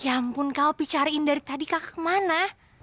ya ampun kau picarain dari tadi kakak kemana